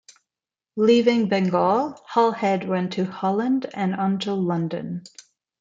Leaving Bengal, Halhed went to Holland, and on to London.